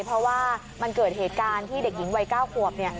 เพราะว่ามันเกิดเหตุการณ์ที่เด็กหญิงวัย๙ขวบเนี่ย